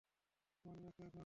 Phone রাখো, এখন।